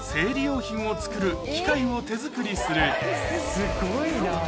すごいな！